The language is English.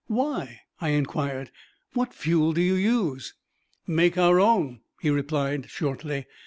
"Why?" I inquired. "What fuel do you use?" "Make our own," he replied shortly.